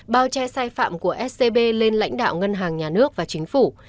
bao che sai phạm của scb lên lãnh đạo ngân hàng nhà nước và chính phủ